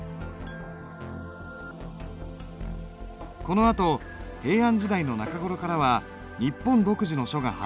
このあと平安時代の中頃からは日本独自の書が発達していく。